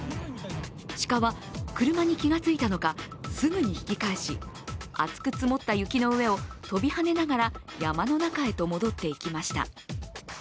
シカは、車に気がついたのか、すぐに引き返し厚く積もった雪の上を飛び跳ねながら山の中へと戻っていきました。